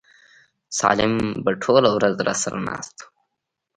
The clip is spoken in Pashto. سالم به ټوله ورځ راسره ناست و.